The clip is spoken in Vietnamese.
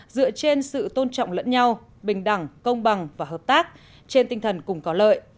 dựa trên sự tôn trọng lẫn nhau bình đẳng công bằng và hợp tác trên tinh thần cùng có lợi